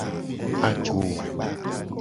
Agoo.